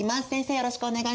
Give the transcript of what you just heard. よろしくお願いします！